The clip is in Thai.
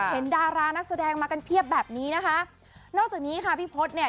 ดารานักแสดงมากันเพียบแบบนี้นะคะนอกจากนี้ค่ะพี่พศเนี่ย